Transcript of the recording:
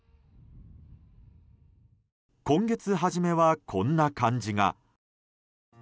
今月初めはこんな感じが。